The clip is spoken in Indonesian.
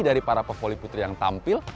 dari para pevoli putri yang tampil